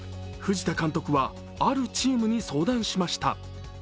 藤田監督は、あるチームに相談しました。